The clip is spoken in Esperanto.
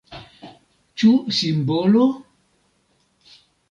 Ĉu simbolo?